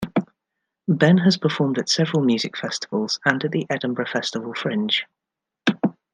Benn has performed at several music festivals, and at the Edinburgh Festival Fringe.